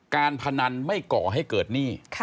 การพนันไม่ก่อให้เกิดหนี้